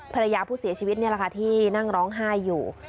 ภรรยาผู้เสียชีวิตนี่แหละค่ะที่นั่งร้องไห้อยู่